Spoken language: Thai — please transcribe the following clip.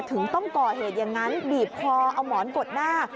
ถึงต้องก่อเหตุอย่างนั้นบีบคอเอาหมอนกดหน้า